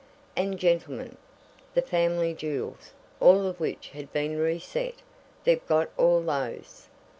And, gentlemen, the family jewels! all of which had been reset. They've got all those!"